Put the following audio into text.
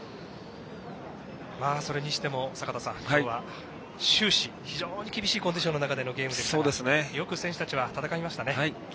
それにしても、今日は終始非常に厳しいコンディションの中でのゲームでしたがよく選手たちは戦いましたね。